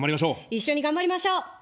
一緒に頑張りましょう。